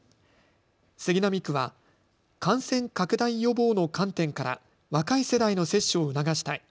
杉並区は感染拡大予防の観点から若い世代の接種を促したい。